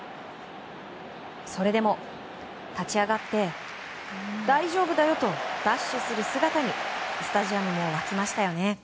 それでも立ち上がって大丈夫だよとダッシュする姿にスタジアムも沸きましたよね。